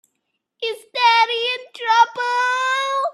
Is Daddy in trouble?